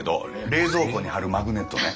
冷蔵庫に貼るマグネットね。